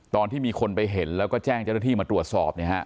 ตอนที่มีคนไปเห็นแล้วก็แจ้งเจ้าหน้าที่มาตรวจสอบเนี่ยฮะ